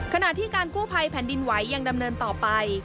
ขณะที่การกู้ภัยแผ่นดินไหวยังดำเนินต่อไป